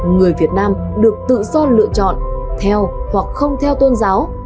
người việt nam được tự do lựa chọn theo hoặc không theo tôn giáo